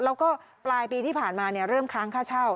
แล้วก็ปลายปีที่ผ่านมาเริ่มค้างค่าเช่า